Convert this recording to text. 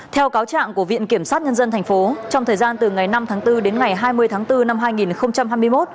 theo cáo trạng của viện kiểm sát nhân dân tp trong thời gian từ ngày năm tháng bốn đến ngày hai mươi tháng bốn năm hai nghìn hai mươi một